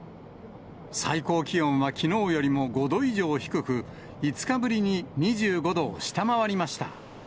最高気温はきのうよりも５度以上低く、５日ぶりに２５度を下回りました。